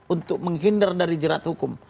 untuk menghindar dari jerat hukum